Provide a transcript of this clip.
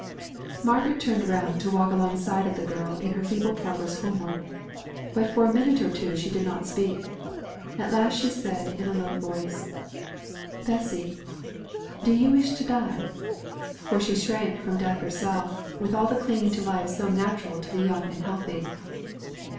Margaret turned round to walk alongside of the girl in her feeble progress homeward. But for a minute or two she did not speak. At last she said in a low voice, "Bessy, do you wish to die?" For she shrank from death herself, with all the clinging to life so natural to the young and healthy.